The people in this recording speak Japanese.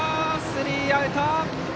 スリーアウト。